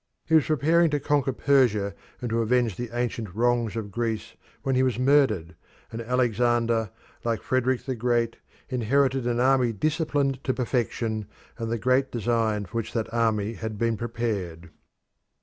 He was preparing to conquer Persia and to avenge the ancient wrongs of Greece when he was murdered, and Alexander, like Frederick the Great, inherited an army disciplined to perfection and the great design for which that army had been prepared.